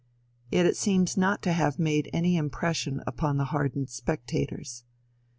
Yet it seems not to have made any impression upon the hardened spectators.